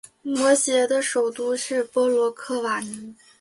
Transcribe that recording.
摩羯的首府是波罗克瓦尼。